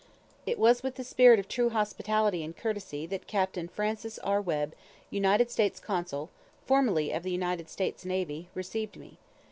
It was with the spirit of true hospitality and courtesy that Capt. Francis R. Webb, United States Consul, (formerly of the United States Navy), received me.